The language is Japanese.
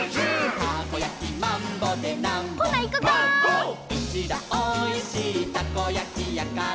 「うちらおいしいたこやきやから」